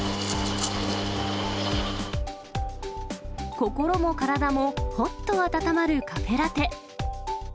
心も体もほっと温まるカフェラテ。